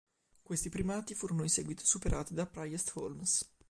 Questi primati furono in seguito superati da Priest Holmes.